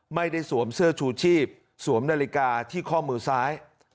สวมเสื้อชูชีพสวมนาฬิกาที่ข้อมือซ้าย